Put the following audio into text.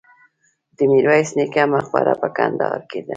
د میرویس نیکه مقبره په کندهار کې ده